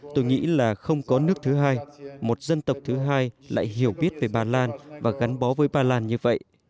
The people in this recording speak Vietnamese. tôi nghĩ là không có nước thứ hai một dân tộc thứ hai lại hiểu biết về bà lan và gắn bó với bà lan như vậy